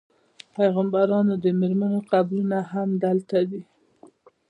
د پیغمبرانو د میرمنو قبرونه هم دلته دي.